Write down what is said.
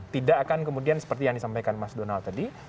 tidak akan kemudian seperti yang disampaikan mas donald tadi